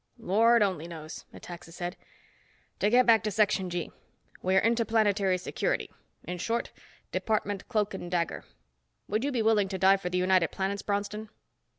"Lord only knows," Metaxa said. "To get back to Section G. We're Interplanetary Security. In short, Department Cloak and Dagger. Would you be willing to die for the United Planets, Bronston?"